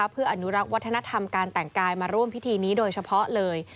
เพื่ออนุรักษ์วัฒนธรรมการแต่งกายมาร่วมพิธีนี้โดยเฉพาะเลย